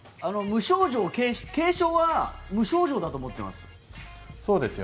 軽症は無症状だと思ってます。